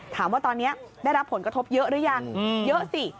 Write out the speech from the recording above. ถามว่าตอนนี้ได้รับผลกระทบเยอะหรือยังเยอะสิ